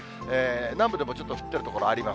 南部でもちょっと降っている所あります。